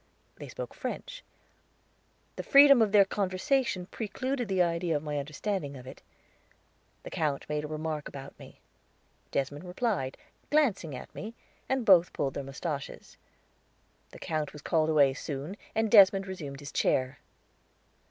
They spoke French. The freedom of their conversation precluded the idea of my understanding it. The Count made a remark about me. Desmond replied, glancing at me, and both pulled their mustaches. The Count was called away soon, and Desmond resumed his chair.